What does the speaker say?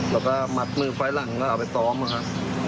แล้วก็หมัดมือฝ่ายหลังแล้วเอาไปซ้อมครับ